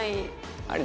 あれ？